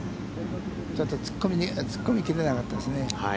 ちょっと突っ込みきれなかったですね。